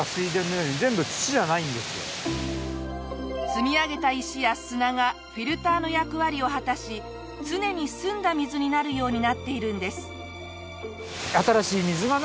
積み上げた石や砂がフィルターの役割を果たし常に澄んだ水になるようになっているんです。